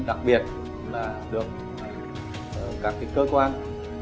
đặc biệt là được các cơ quan